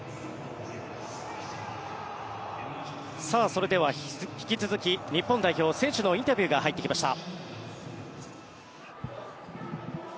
それでは引き続き日本代表選手のインタビューが入ってきました。